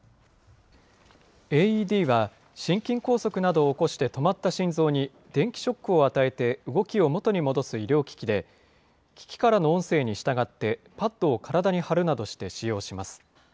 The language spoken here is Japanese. ＡＥＤは、心筋梗塞などを起こして止まった心臓に電気ショックを与えて動きを元に戻す医療機器で、機器からの音声に従って、パッドを体に貼るなどして使用します。